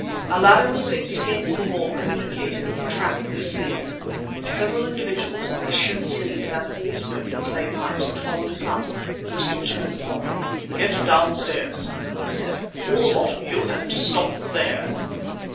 A ladder was fixed against the wall communicating with a trap in the ceiling. Several individuals in their shirt sleeves and all smoking clay pipes had followed us up. Bristol turned upon them. "Get downstairs," he said—"all the lot of you, and stop there!"